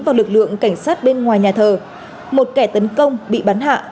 vào lực lượng cảnh sát bên ngoài nhà thờ một kẻ tấn công bị bắn hạ